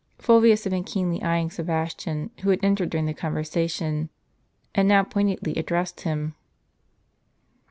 Fnlvius had been keenly eyeing Sebastian, who had entered during the conversation; and now pointedly addressed him.